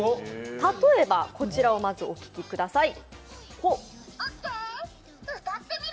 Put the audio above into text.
例えばこちらをまずお聴きください。